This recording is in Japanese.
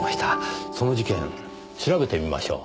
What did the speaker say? その事件調べてみましょう。